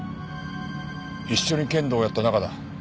一緒に剣道をやった仲だ。